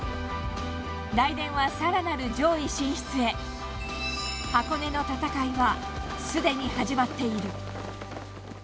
来年は更なる上位進出へ箱根の戦いはすでに始まっている。